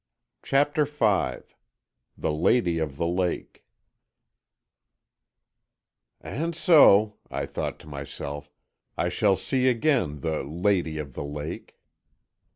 CHAPTER V THE LADY OF THE LAKE "And so," I thought to myself, "I shall see again the Lady of the Lake."